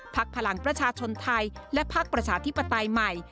พลังประชาชนไทยและพักประชาธิปไตยใหม่